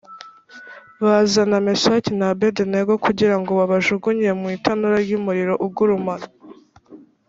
Bazana Meshaki na Abedenego kugira ngo babajugunye mu itanura ry’umuriro ugurumana